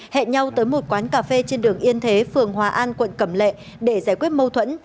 hẹn nhau tới một quán cà phê trên đường yên thế phường hòa an quận cẩm lệ để giải quyết mâu thuẫn